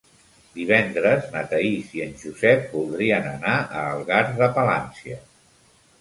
Divendres na Thaís i en Josep voldrien anar a Algar de Palància.